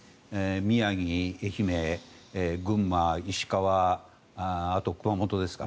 宮城、愛媛、群馬石川、あと熊本ですか。